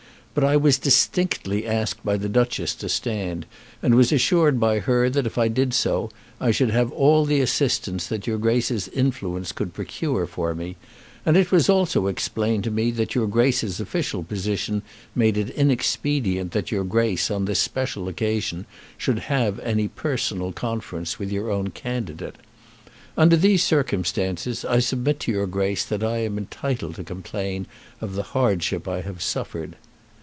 But I was distinctly asked by the Duchess to stand, and was assured by her that if I did so I should have all the assistance that your Grace's influence could procure for me; and it was also explained to me that your Grace's official position made it inexpedient that your Grace on this special occasion should have any personal conference with your own candidate. Under these circumstances I submit to your Grace that I am entitled to complain of the hardship I have suffered.